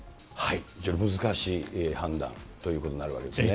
非常に難しい判断ということになるわけですね。